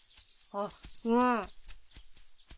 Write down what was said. あっうん。